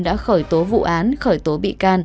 đã khởi tố vụ án khởi tố bị can